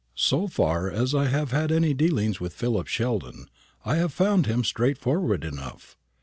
"So far as I have had any dealings with Philip Sheldon, I have found him straightforward enough.